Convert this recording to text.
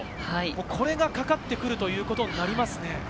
これがかかってくるということになりますね。